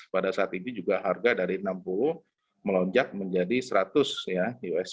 pada saat ini juga harga dari rp enam puluh miliar dolar as melonjak menjadi rp seratus miliar dolar as